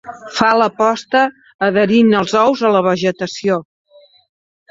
Fa la posta adherint els ous a la vegetació.